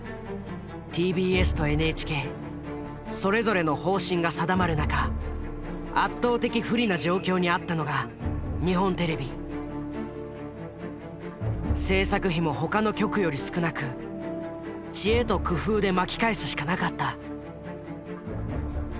ＴＢＳとＮＨＫそれぞれの方針が定まる中圧倒的不利な状況にあったのが制作費も他の局より少なく知恵と工夫で巻き返すしかなかった。